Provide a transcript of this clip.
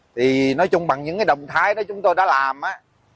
thì nói chung bằng những cái động thái đó chúng tôi đã làm á